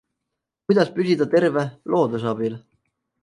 Kuidas püsida terve looduse abil?